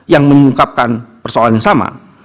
yang mengungkapkan persoalan yang sama